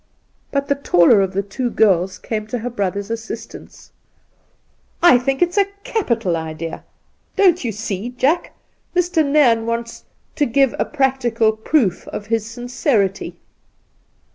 But the taller of the two girls came to her brother's assistance. io8 Induna Nairn ' I think it's a capital idea ! Don't you see, Jack, Mr. Nairn wants " to give a practical proof of his sincerity